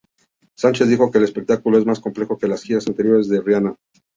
Sánchez dijo que el espectáculo es más complejo que las giras anteriores de Rihanna.